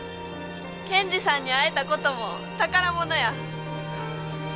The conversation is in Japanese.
検事さんに会えた事も宝物や！